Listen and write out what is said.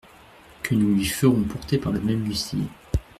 Que nous lui ferons porter par le même huissier…